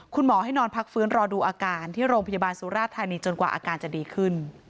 คุณหมอให้นอนพักฟื้นรอดูอาการที่โรงพยาบาลสุราธานีจนกว่าอาการจะดีขึ้น